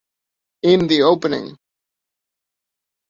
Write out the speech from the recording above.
In the opening.